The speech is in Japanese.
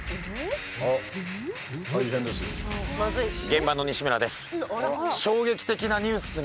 現場の西村です。